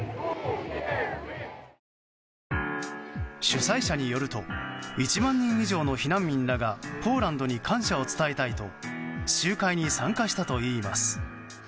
主催者によると１万人以上の避難民らがポーランドに感謝を伝えたいと集会に参加したといいます。